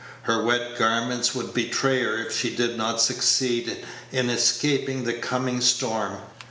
Her wet garments would betray her if she did not succeed in escaping the coming storm.